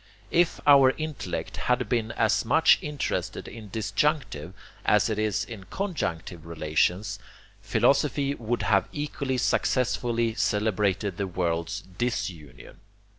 If our intellect had been as much interested in disjunctive as it is in conjunctive relations, philosophy would have equally successfully celebrated the world's DISUNION.